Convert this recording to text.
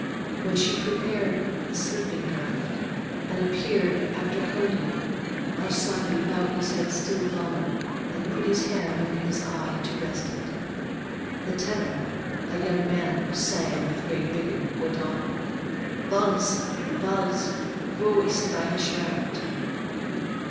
When she prepared the sleeping draught and disappeared after Hunding, Harsanyi bowed his head still lower and put his hand over his eye to rest it. The tenor,—a young man who sang with great vigor, went on:— "Wälse! Wälse! Wo ist dein Schwert?"